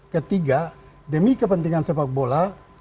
ketiga demi kepentingan sepak bola